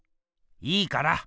いいから。